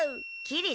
きり